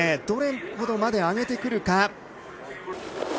どれほどまで上げてくるか。